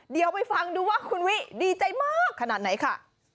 ดีใจมากขนาดไหนค่ะ